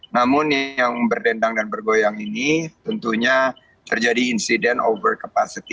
namun yang berdendang dan bergoyang ini tentunya terjadi insiden over capacity